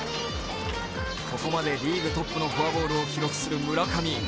ここまでリーグトップのフォアボールを記録する村上。